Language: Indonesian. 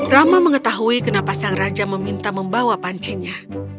rama mengetahui kenapa sang raja meminta membawa pancinya